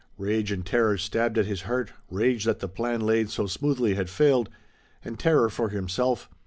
Rage and terror stabbed at his heart, rage that the plan laid so smoothly had failed, and terror for himself.